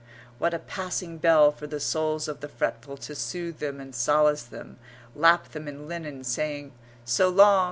what a passing bell for the souls of the fretful to soothe them and solace them, lap them in linen, saying, "So long.